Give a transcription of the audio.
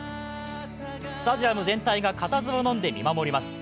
スタジアム全体が固唾をのんで見守ります。